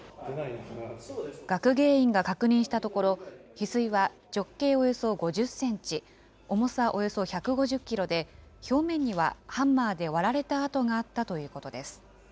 学芸員が確認したところ、ヒスイは直径およそ５０センチ、重さおよそ１５０キロで、表面にはハンマーで割られた跡があったということです。